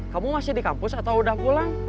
kamu masih di kampus atau udah pulang